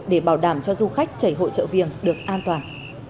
để bảo đảm cho du khách chảy hội chợ viêng được an toàn